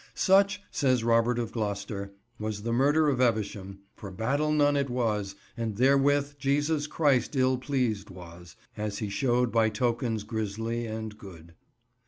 "Such," says Robert of Gloucester, "was the murder of Evesham, for battle none it was, And therewith Jesus Christ ill pleased was, As he showed by tokens grisly and good."